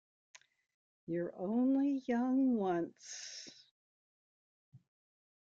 You're Only Young Once...